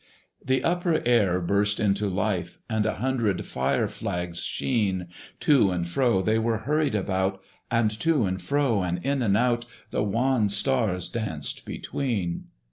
The upper air burst into life! And a hundred fire flags sheen, To and fro they were hurried about! And to and fro, and in and out, The wan stars danced between.